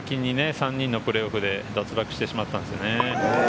３人のプレーオフで先に脱落してしまったんですよね。